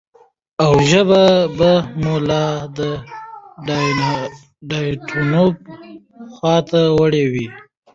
او ژبه به مو لا د بډايتوب خواته وړي وي.